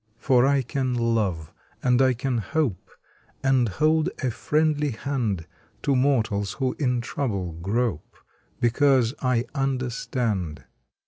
I For I can LOVE and I can HOPE, And hold a FRIENDLY HAND To mortals who in trouble grope Because I UNDERSTAND!